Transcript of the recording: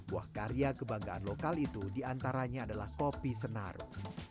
buah karya kebanggaan lokal itu diantaranya adalah kopi senaru